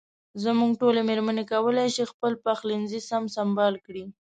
زموږ ټولې مېرمنې کولای شي خپل پخلنځي سم سنبال کړي.